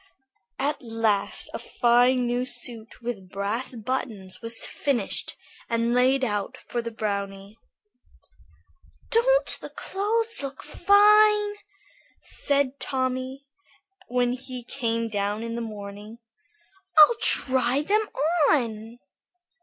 At last a fine new suit with brass buttons was finished and laid out for the brownie. "Don't the clothes look fine?" said Tommy, when he came down in the morning; "I'll try them on."